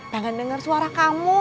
pengen denger suara kamu